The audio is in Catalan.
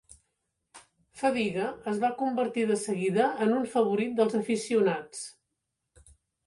Fadiga es va convertir de seguida en un favorit dels aficionats.